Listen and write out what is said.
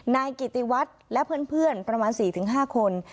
นายกิติวัฒน์และเพื่อนประมาณ๔๕คน